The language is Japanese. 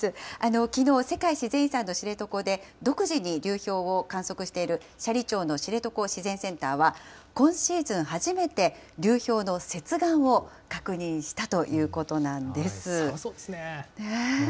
きのう、世界自然遺産の知床で独自に流氷を観測している斜里町の知床自然センターは、今シーズン初めて流氷の接岸を確認したということなんです。